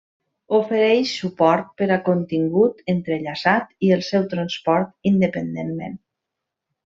Ofereix suport per a contingut entrellaçat, i el seu transport independentment.